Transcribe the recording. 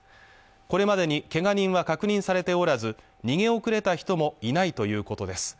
これまでにけが人は確認されておらず逃げ遅れた人もいないということです